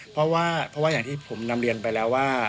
เพราะว่าอย่างที่ผมนำเรียนไปแล้วว่า